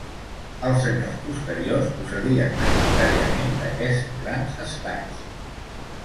Els senyors posteriors procedien majoritàriament d'aquests grans estats.